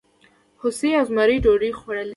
هوسۍ او زمري ډوډۍ خوړلې؟